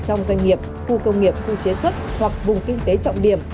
trong doanh nghiệp khu công nghiệp khu chế xuất hoặc vùng kinh tế trọng điểm